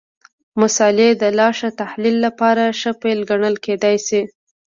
د مسألې د لا ښه تحلیل لپاره ښه پیل ګڼل کېدای شي.